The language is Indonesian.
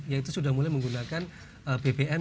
yaitu sudah mulai menggunakan bbm